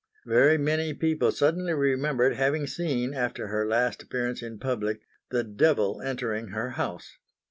Very many people suddenly remembered having seen, after her last appearance in public, the Devil entering her house.